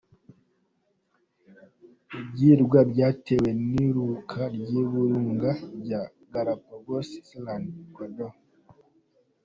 Ibirwa byatewe n'iruka ry'ibirunga bya Galapagos Islands, Ecuador.